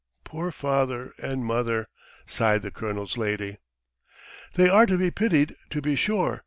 "Poor father and mother!" sighed the colonel's lady. "They are to be pitied, to be sure!